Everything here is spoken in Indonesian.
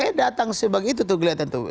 eh datang sebagai itu tuh kelihatan tuh